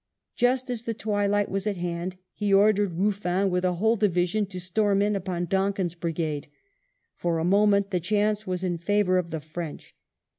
Just as the twilight was at hand, he ordered Eufl&n with a whole division to storm in upon Donkin's brigada For a moment the chance was in favour of the French.